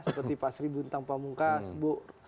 seperti pak sri buntang pamungkas bu